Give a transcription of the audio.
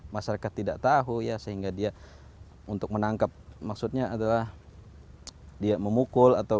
masyarakat tidak tahu ya sehingga dia untuk menangkap maksudnya adalah dia memukul atau